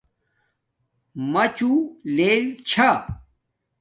امچو لیل چھا